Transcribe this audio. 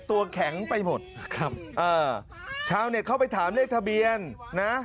ตัวแข็งไปหมดครับเอ่อชาวเน็ตเข้าไปถามเลขทะเบียนนะ